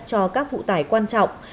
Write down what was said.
cho các vụ tải quan trọng